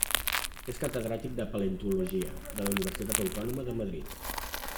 És catedràtic de Paleontologia de la Universitat Autònoma de Madrid.